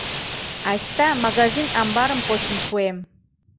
Айста, магазин-амбарым почын пуэм!..